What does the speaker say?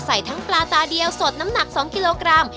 ใส่ทั้งปลาตาเดียวสดน้ำหนัก๒กิโลกรัม